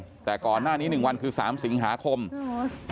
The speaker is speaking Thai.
พี่สาวของเธอบอกว่ามันเกิดอะไรขึ้นกับพี่สาวของเธอ